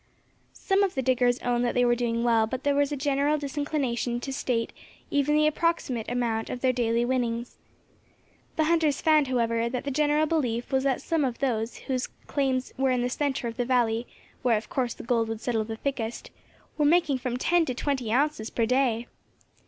Some of the diggers owned that they were doing well, but there was a general disinclination to state even the approximate amount of their daily winnings. The hunters found, however, that the general belief was that some of those who had claims in the centre of the valley, where of course the gold would settle the thickest, were making from ten to twenty ounces per day.